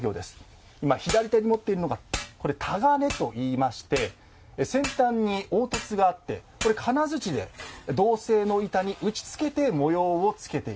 今左手に持っているのがこれタガネといいまして先端に凹凸があって金づちで銅製の板に打ちつけて模様をつけていきます。